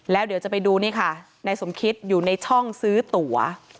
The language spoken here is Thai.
แล้วเดี๋ยวจะไปดูนี่ค่ะนายสมคิดอยู่ในช่องซื้อตั๋ว